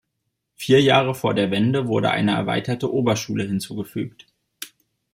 Vier Jahre vor der Wende wurde eine erweiterte Oberschule hinzugefügt.